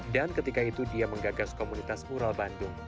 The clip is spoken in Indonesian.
dan ketika itu dia menggagas komunitas mural bandung